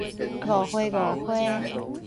五花五花